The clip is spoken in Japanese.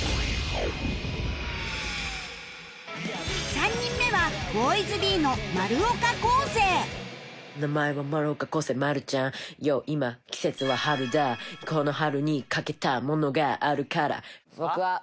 ３人目は「名前は丸岡晃聖丸ちゃん」「Ｙｏ 今季節は春だ」「この春にかけたものがあるから」